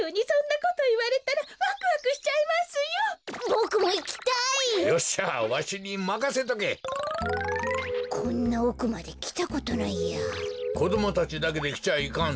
こどもたちだけできちゃいかんぞ。